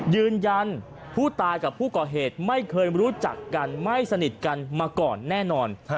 ยืนยันผู้ตายกับผู้ก่อเหตุไม่เคยรู้จักกันไม่สนิทกันมาก่อนแน่นอน